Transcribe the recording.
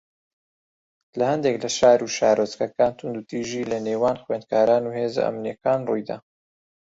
لە ھەندێک لە شار و شارۆچکەکان توندوتیژی لەنێوان خوێندکاران و هێزە ئەمنییەکان ڕووی دا